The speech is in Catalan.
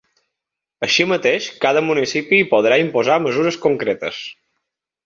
Així mateix, cada municipi hi podrà imposar mesures concretes.